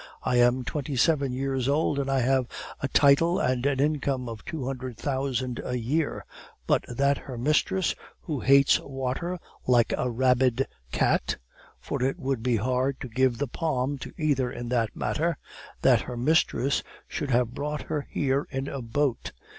"I am twenty seven years old, and I have a title and an income of two hundred thousand a year. But that her mistress, who hates water like a rabid cat for it would be hard to give the palm to either in that matter that her mistress should have brought her here in a boat!